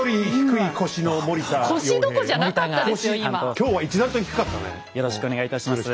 今日は一段と低かったね。